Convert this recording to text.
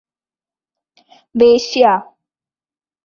വേശ്യ